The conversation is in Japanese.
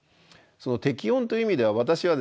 適温という意味では私はですね